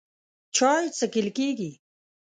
چای څښل کېږي.